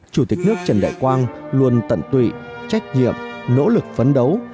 chủ tịch nước trần đại quang luôn tận tụy trách nhiệm nỗ lực phấn đấu